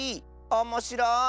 おもしろい！